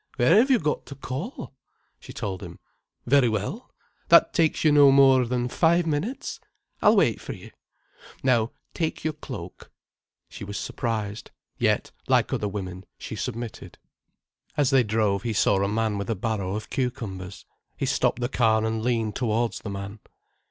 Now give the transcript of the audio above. "Where have you got to call?" She told him. "Very well. That takes you no more than five minutes. I'll wait for you. Now take your cloak." She was surprised. Yet, like other women, she submitted. As they drove he saw a man with a barrow of cucumbers. He stopped the car and leaned towards the man.